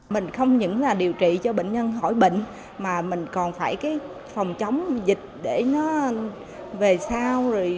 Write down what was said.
mình không những là điều trị cho bệnh nhân khỏi bệnh mà mình còn phải cái phòng chống dịch để nó về sau